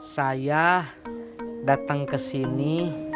saya dateng kesini